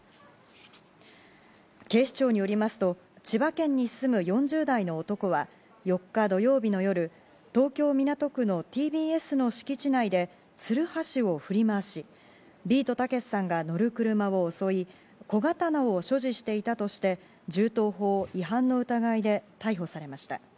警視庁によりますと千葉県に住む４０代の男は４日土曜日の夜、東京・港区のＴＢＳの敷地内でつるはしを振り回し、ビートたけしさんが乗る車を襲い、小刀を所持していたとして、銃刀法違反の疑いで逮捕されました。